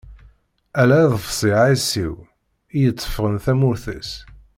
Ala aḍebsi aɛisiw, i yetteffɣen tamurt-is.